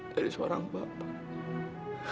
dari seorang bapak